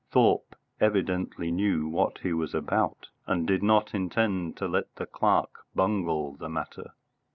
Thorpe evidently knew what he was about, and did not intend to let the clerk bungle the matter.